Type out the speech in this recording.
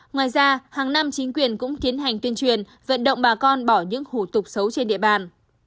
ngoài ra hàng năm chính quyền cũng tiến hành tuyên truyền vận động bà con bỏ những hủ tục xấu trên địa bàn